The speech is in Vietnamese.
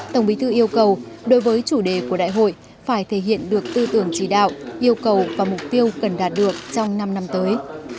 tổng bí thư yêu cầu đối với chủ đề của đại hội phải thể hiện được tư tưởng chỉ đạo yêu cầu và mục tiêu cần đạt được trong năm năm tới